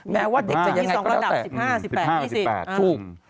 แม้ว่าเด็กจะยังไงก็แล้วแต่๑๕๑๘ถูก